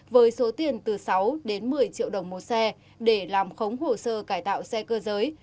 với số tiền từ sáu đến một mươi triệu đồng một xe để làm khống hồ sơ cải tạo xe cơ giới